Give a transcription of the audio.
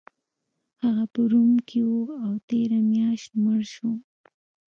هغه په روم کې و او تیره میاشت مړ شو